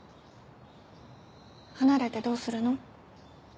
離れてどうするの？